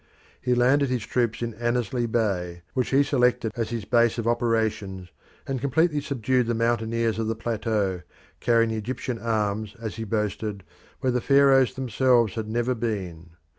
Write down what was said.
He landed his troops in Annesley Bay, which he selected as his base of operations, and completely subdued the mountaineers of the plateau, carrying the Egyptian arms, as he boasted, where the Pharaohs themselves had never been.